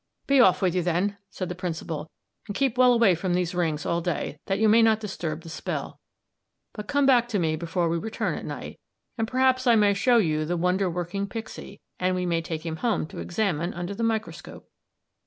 "Be off with you then," said the Principal, "and keep well away from these rings all day, that you may not disturb the spell. But come back to me before we return at night, and perhaps I may show you the wonder working pixie, and we may take him home to examine under the microscope."